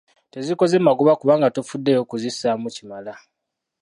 Tezikoze magoba kubanga tofuddeeyo kuzissaamu kimala.